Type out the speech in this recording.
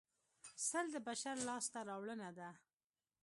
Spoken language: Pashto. سل د بشر لاسته راوړنه ده